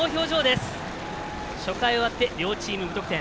初回終わって、両チーム無得点。